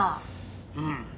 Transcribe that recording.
うん。